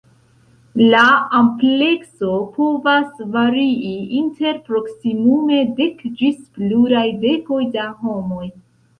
La amplekso povas varii inter proksimume dek ĝis pluraj dekoj da homoj.